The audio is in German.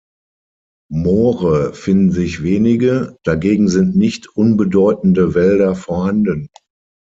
Moore finden sich wenige, dagegen sind nicht unbedeutende Wälder vorhanden.